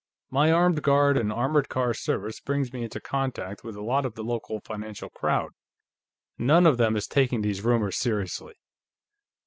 "My armed guard and armored car service brings me into contact with a lot of the local financial crowd. None of them is taking these rumors seriously."